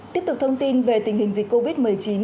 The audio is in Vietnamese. tiếp tục thông tin về tình hình dịch covid một mươi chín